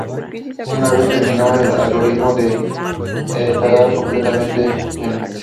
Una vez terminado al algoritmo, D estará completamente lleno.